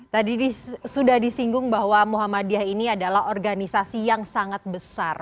tadi sudah disinggung bahwa muhammadiyah ini adalah organisasi yang sangat besar